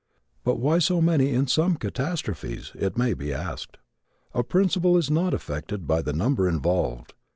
But why so many in some catastrophes? it may be asked. A principle is not affected by the number involved.